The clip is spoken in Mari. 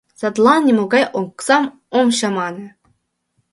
Садлан нимогай оксам ом чамане!